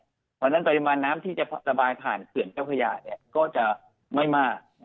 เพราะฉะนั้นปริมาณน้ำที่จะระบายผ่านเขื่อนเจ้าพระยาก็จะไม่มาก